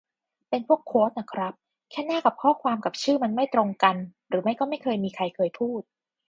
เป็นพวกโควตน่ะครับ แต่หน้ากับข้อความกับชื่อมันไม่ตรงกันหรือไม่ก็ไม่เคยมีใครเคยพูด